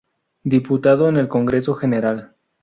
Diputado en el Congreso General.